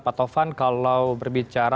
pak taufan kalau berbicara